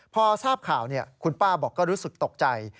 พอทราบข่าวคุณป้าบอกก็รู้สึกตกใจ